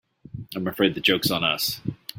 I'm afraid the joke's on us.